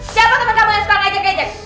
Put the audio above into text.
siapa temen kamu yang suka ngejek ngejek